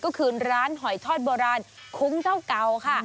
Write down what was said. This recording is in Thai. ก็คือร้านหอยทอดโบราณคุ้มเท่าเก่าค่ะ